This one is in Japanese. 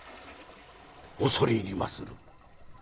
「恐れ入りまする」。